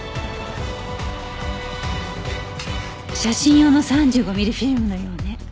写真用の３５ミリフィルムのようね。